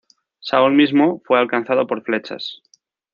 Saúl mismo fue alcanzado por flechas.